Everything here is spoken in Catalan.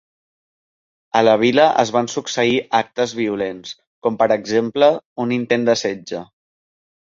A la Vila es van succeir actes violents, com per exemple un intent de setge.